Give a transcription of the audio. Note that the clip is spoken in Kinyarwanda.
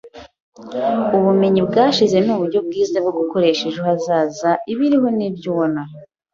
Ubumenyi bwashize nuburyo bwiza bwo gukoresha ejo hazaza. Ibiriho nibyo ubona